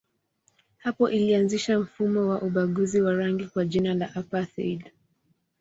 Hapo ilianzisha mfumo wa ubaguzi wa rangi kwa jina la apartheid.